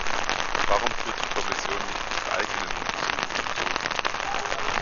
Warum führt die Kommission nicht ihre eigenen Untersuchungen durch?